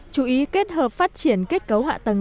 chủ ý kết hợp phát triển kết cấu họa tầng